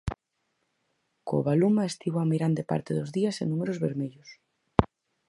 Covaluma estivo a meirande parte dos días en números vermellos.